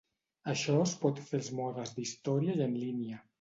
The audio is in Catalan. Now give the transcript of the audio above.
Això es pot fer als modes d'història i en línia.